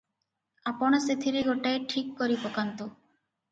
ଆପଣ ସେଥିର ଗୋଟାଏ ଠିକ୍ କରିପକାନ୍ତୁ ।"